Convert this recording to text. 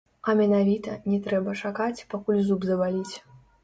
А менавіта, не трэба чакаць, пакуль зуб забаліць.